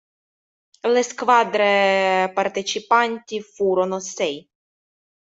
Le squadre partecipanti furono sei.